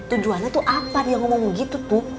tujuannya tuh apa dia ngomong begitu bu